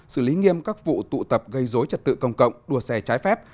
xử lý nghiêm các vụ tụ tập gây dối trật tự công cộng đua xe trái phép